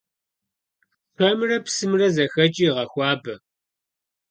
Шэмрэ псымрэ зэхэкӀи гъэхуабэ.